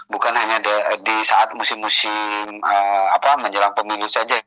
bukan hanya di saat musim musim menjelang pemilu saja